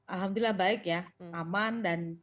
alhamdulillah baik ya aman dan